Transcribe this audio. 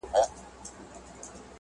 او نه هم دا خبره د کولو وړ ده چې